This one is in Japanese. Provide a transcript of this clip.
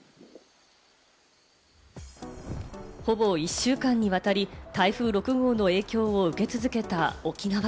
ほぼ１週間にわたり、台風６号の影響を受け続けた沖縄。